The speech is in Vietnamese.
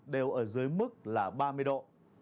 đều ở dưới mức là ba mươi độ